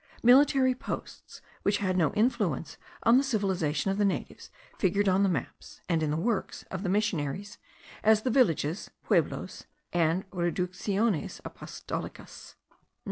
Military posts, which had no influence on the civilization of the natives, figured on the maps, and in the works of the missionaries, as villages (pueblos) and reducciones apostolicas.